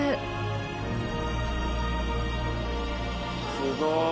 すごい。